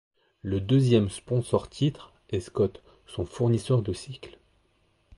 Le deuxième sponsor-titre est Scott, son fournisseur de cycles.